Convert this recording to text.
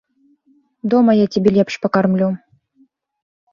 Дома я цябе лепш пакармлю.